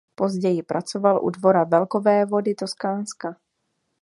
Později pracoval u dvora velkovévody Toskánska.